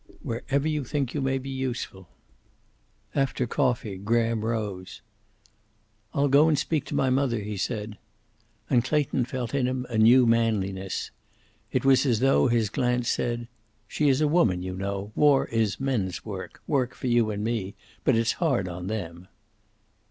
"Wherever you think you can be useful." After coffee Graham rose. "I'll go and speak to mother," he said. And Clayton felt in him a new manliness. It was as though his glance said, "She is a woman, you know. War is men's work, work for you and me. But it's hard on them."